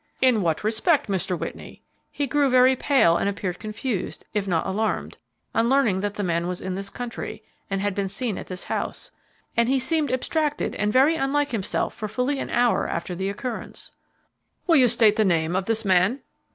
"In what respect, Mr. Whitney?" "He grew very pale and appeared confused, if not alarmed, on learning that the man was in this country and had been seen at this house, and he seemed abstracted and very unlike himself for fully an hour after the occurrence." "Will you state the name of this man?"